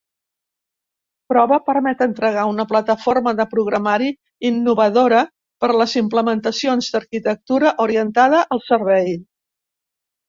Prova permet entregar una plataforma de programari innovadora per les implementacions d'arquitectura orientada al servei.